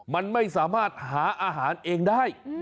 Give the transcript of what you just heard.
มันไม่สามารถหาอาหารเองได้